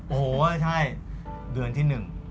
โอ้โหใช่เดือนที่๑